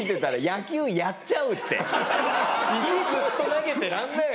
石ずっと投げてられないよね。